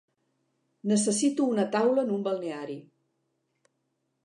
Necessito una taula en un balneari